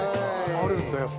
あるんだやっぱ。